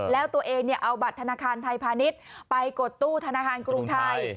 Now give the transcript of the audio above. แล้วตัวเองเอาบัตรธนาคารไทยพาณิชย์ไปกดตู้ธนาคารกรุงไทย